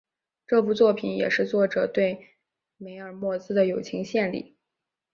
这部作品也是作者对梅尔莫兹的友情献礼。